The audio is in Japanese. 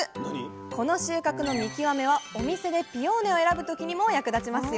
この収穫の見極めはお店でピオーネを選ぶ時にも役立ちますよ